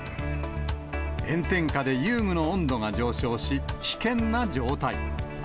炎天下で遊具の温度が上昇し、危険な状態。